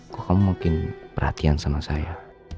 kok kamu mungkin perhatian sama saya